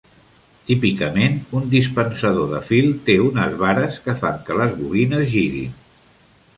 Típicament, un dispensador de fil té unes vares que fan que les bobines girin.